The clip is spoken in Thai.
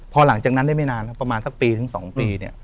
พอหลังจากนั้นได้ไม่นานครับประมาณสักปีถึง๒ปีเนี่ย